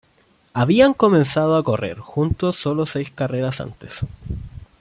Habían comenzado a correr juntos solo seis carreras antes.